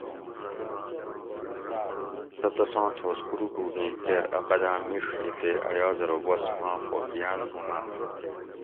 سہ تساں تھوس کوروٹؤگیں کیر اَ قدام میڛ ہی تے ایاز ارو بس ماں فوجیان مو ماۤر